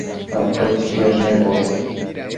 ¿atotsi quiash neposh?